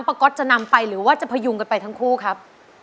ก๊อตจะนำไปหรือว่าจะพยุงกันไปทั้งคู่ครับ